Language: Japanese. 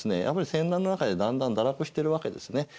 やっぱり戦乱の中でだんだん堕落してるわけですね。